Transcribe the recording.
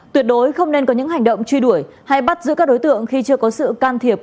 tuyệt đối không nên có những hành động truy đuổi hay bắt giữ các đối tượng khi chưa có sự can thiệp